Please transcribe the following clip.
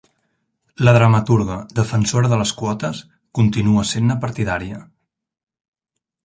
La dramaturga, defensora de les quotes, continua sent-ne partidària.